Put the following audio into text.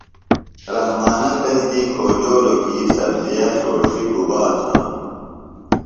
رحمانہ تس دی کھوجولوۡ کی سبزِیہ ݜوݜیۡ گُبا تھانوۡ؟